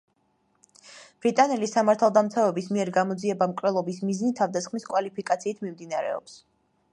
ბრიტანელი სამართალდამცავების მიერ გამოძიება მკვლელობის მიზნით თავდასხმის კვალიფიკაციით მიმდინარეობს.